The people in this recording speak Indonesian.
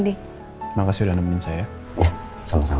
tidak ada di jalan ren